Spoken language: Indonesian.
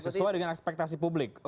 sesuai dengan ekspektasi publik